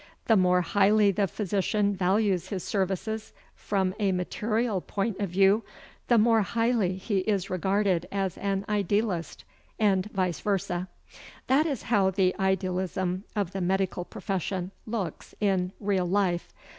The more highly the physician values his services, from a material point of view, the more highly he is regarded as an idealist, and vice versa. That is how the idealism of the medical profession looks in real life.